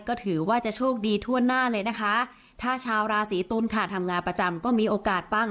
ก็ถือว่าจะโชคดีทั่วหน้าเลยนะคะถ้าชาวราศีตุลค่ะทำงานประจำก็มีโอกาสปั้ง